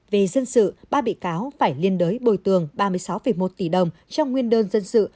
về dân sự ba bị cáo phải liên đới bồi tường ba mươi sáu một tỷ đồng cho nguyên đơn dân sự